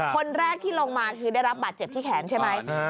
คนแรกที่ลงมาคือได้รับบาดเจ็บที่แขนใช่ไหม